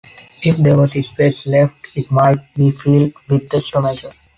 If there was space left it might be filled with a stomacher.